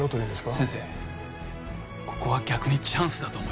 先生ここは逆にチャンスだと思います。